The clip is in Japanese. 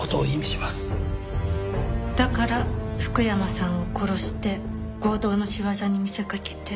だから福山さんを殺して強盗の仕業に見せかけて。